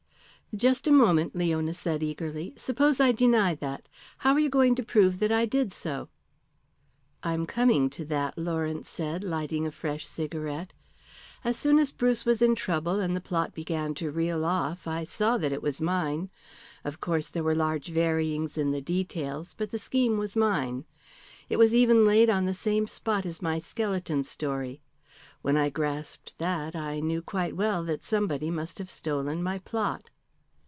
"Just a moment," Leona said eagerly. "Suppose I deny that. How are you going to prove that I did so?" "I am coming to that," Lawrence said, lighting a fresh cigarette. "As soon as Bruce was in trouble and the plot began to reel off I saw that it was mine. Of course there were large varyings in the details, but the scheme was mine. It was even laid on the same spot as my skeleton story. When I grasped that, I knew quite well that somebody must have stolen my plot."